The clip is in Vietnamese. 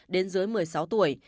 đến dưới một mươi sáu tuổi